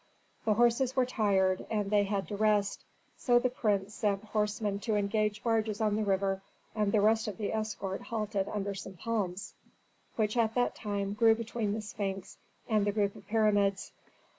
The horses were tired, and they had to rest. So the prince sent horsemen to engage barges on the river, and the rest of the escort halted under some palms, which at that time grew between the Sphinx and the group of pyramids.